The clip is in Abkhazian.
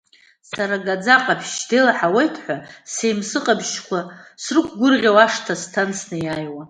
Сара, агаӡа аҟаԥшь деилаҳауеит ҳәа, сеимсы ҟаԥшьқәа срықәгәырӷьауа ашҭа сҭан снеиааиуа.